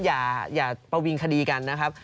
อย่าประวิงคดีกันนะครับ